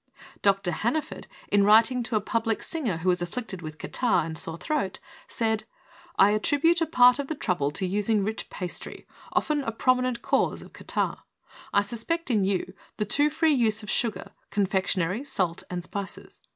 Dr. Hanaford, in writing to a public singer who was afflicted with catarrh and sore throat, said: "I attribute a part of the trouble to using rich pastry, often a prominent cause of catarrh. I suspect in HEALTH. /9 you the too free use of sugar, confection ery, salt and spices.